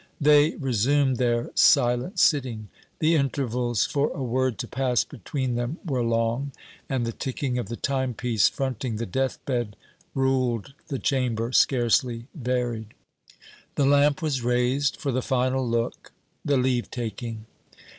They resumed their silent sitting. The intervals for a word to pass between them were long, and the ticking of the time piece fronting the death bed ruled the chamber, scarcely varied. The lamp was raised for the final look, the leave taking.